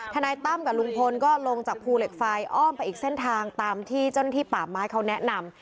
นายตั้มกับลุงพลก็ลงจากภูเหล็กไฟอ้อมไปอีกเส้นทางตามที่เจ้าหน้าที่ป่าไม้เขาแนะนำ